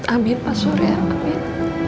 amin pak sur ya amin